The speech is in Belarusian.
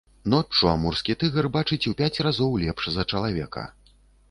Ноччу амурскі тыгр бачыць у пяць разоў лепш за чалавека.